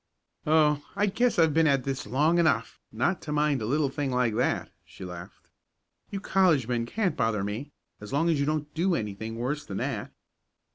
"Oh, I guess I've been at this long enough not to mind a little thing like that," she laughed. "You college men can't bother me as long as you don't do anything worse than that.